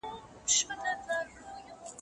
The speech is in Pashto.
يعقوب عليه السلام پر دې وبيريدی.